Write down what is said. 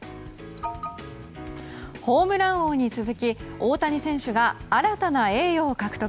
ホームラン王に続き大谷選手が新たな栄誉を獲得。